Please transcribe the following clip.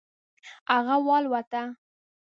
هغه والوته.